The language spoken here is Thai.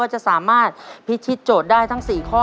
ว่าจะสามารถพิทธิจดได้ทั้งสี่ข้อ